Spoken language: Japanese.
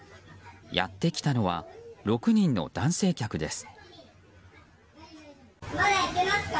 やってきたのは６人の男性客です。